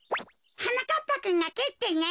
はなかっぱくんがけってね。